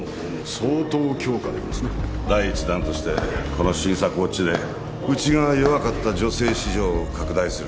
第一弾としてこの新作ウオッチでウチが弱かった女性市場を拡大する。